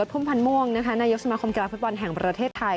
ทุ่มพันธ์ม่วงนายกสมาคมกีฬาฟุตบอลแห่งประเทศไทย